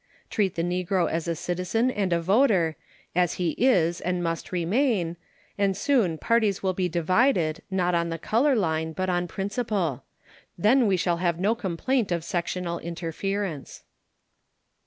Treat the negro as a citizen and a voter, as he is and must remain, and soon parties will be divided, not on the color line, but on principle. Then we shall have no complaint of sectional interference.